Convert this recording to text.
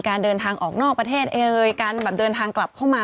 การเดินทางออกนอกประเทศเอ่ยการแบบเดินทางกลับเข้ามา